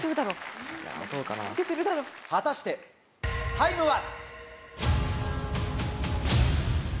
果たしてタイムは？